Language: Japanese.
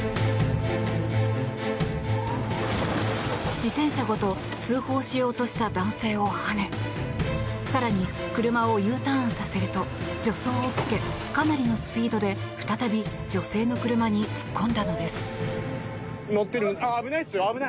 自転車ごと通報しようとした男性をはね更に、車をＵターンさせると助走をつけかなりのスピードで女性の車に突っ込んだのです。